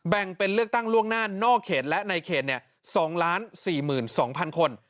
แบ่งเป็นเลือกตั้งล่วงหน้านอกเขตและในเขต๒๔๒๐๐๐คน